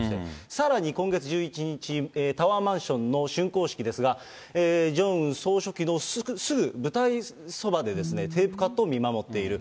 さらに今月１１日、タワーマンションのしゅんこう式ですが、ジョンウン総書記のすぐ舞台そばで、テープカットを見守っている。